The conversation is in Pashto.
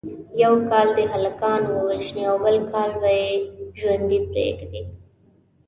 یو کال دې هلکان ووژني او بل کال به یې ژوندي پریږدي.